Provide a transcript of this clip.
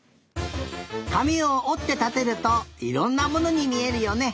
かみをおってたてるといろんなものにみえるよね！